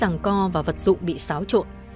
nhưng không biết rằng co và vật dụng bị xáo trộn